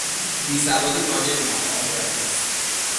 بیسوادی مانع موفقیت است.